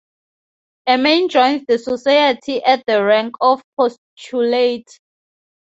A man joins the society at the rank of Postulate.